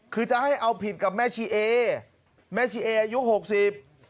คือจะให้เอาผิดกับแม่ชีเอแม่ชีเออายุหกสิบ